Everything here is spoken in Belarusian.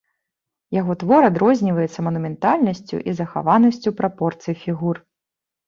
Яго твор адрозніваецца манументальнасцю і захаванасцю прапорцый фігур.